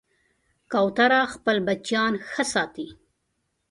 کوتره خپل بچیان ښه ساتي.